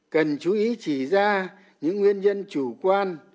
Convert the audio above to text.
cần chú ý chỉ ra những nguyên nhân chủ quan